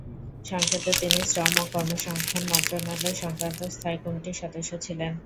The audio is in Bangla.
সংসদে তিনি শ্রম ও কর্মসংস্থান মন্ত্রণালয়-সংক্রান্ত স্থায়ী কমিটির সদস্য ছিলেন।